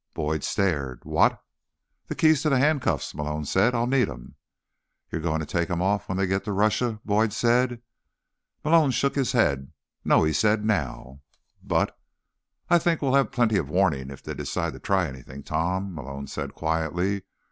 Boyd stared. "What?" "The keys to the handcuffs," Malone said. "I'll need 'em." "You're going to take them off when they get to Russia?" Boyd said. Malone shook his head. "No," he said. "Now." "But—" "I think we'll have plenty of warning if they decide to try anything, Tom," Malone said quietly.